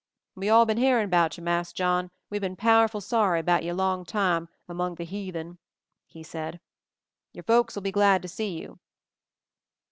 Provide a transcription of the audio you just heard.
"We all been hearin' about you, Mass' John. We been powerful sorry 'bout you long time, among de heathen," he said. "You folks'll be glad to see you!"